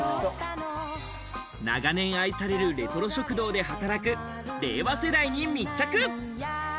長年愛されるレトロ食堂で働く令和世代に密着！